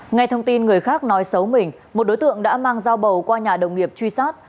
ngay thông tin người khác nói xấu mình một đối tượng đã mang dao bầu qua nhà đồng nghiệp truy sát